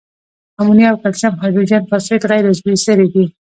امونیا او کلسیم هایدروجن فاسفیټ غیر عضوي سرې دي.